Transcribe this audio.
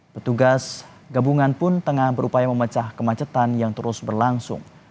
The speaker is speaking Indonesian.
petugas gabungan pun tengah berupaya memecah kemacetan yang terus berlangsung